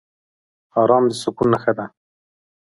ارام د سکون نښه ده.